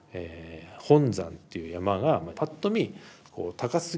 本山っていう山がぱっと見高すぎる。